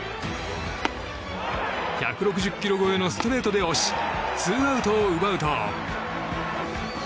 １６０キロ超えのストレートで押し、ツーアウトを奪うと。